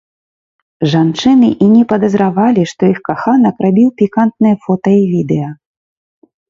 Жанчыны і не падазравалі, што іх каханак рабіў пікантныя фота і відэа.